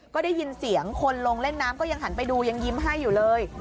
ก็ได้ยินเสียงคนลงเล่นน้ำก็ยังหันไปดูยังยิ้มให้อยู่เลย